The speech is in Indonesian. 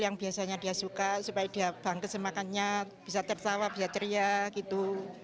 makanya dia suka supaya dia bangkit semakannya bisa tertawa bisa ceria gitu